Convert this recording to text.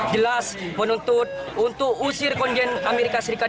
jelas menuntut untuk usir konjen amerika serikat